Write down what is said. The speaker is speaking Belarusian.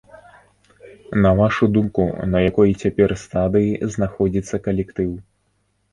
На вашу думку, на якой цяпер стадыі знаходзіцца калектыў?